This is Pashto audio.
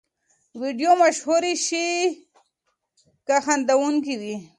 ویډیو مشهورې شي که خندوونکې وي.